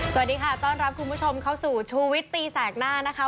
สวัสดีค่ะต้อนรับคุณผู้ชมเข้าสู่ชูวิตตีแสกหน้านะคะ